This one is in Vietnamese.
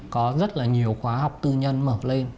có rất là nhiều khóa học tư nhân mở lên